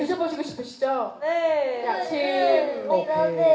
ชิคกี้พายที่รัก